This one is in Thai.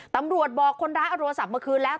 ตำรวจบอกคนร้ายเอาโทรศัพท์มาคืนแล้ว